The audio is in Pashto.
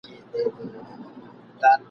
ولاړم بندیوانه زولنې راپسي مه ګوره !.